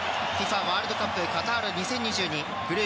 ワールドカップカタール２０２２